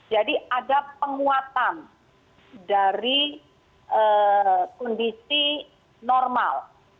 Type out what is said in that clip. jadi ada penguatan dari kondisi normal